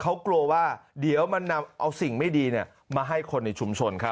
เขากลัวว่าเดี๋ยวมันนำเอาสิ่งไม่ดีมาให้คนในชุมชนครับ